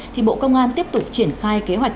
thì bộ công an tiếp tục triển khai kế hoạch